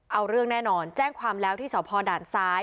เอาเรื่องแน่นอนแจ้งความแล้วที่สพด่านซ้าย